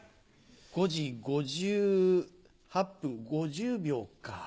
５時５８分５０秒か。